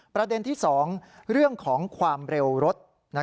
ประเด็นที่๒เรื่องของความเร็วรถ